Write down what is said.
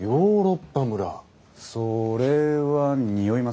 それはにおいますね。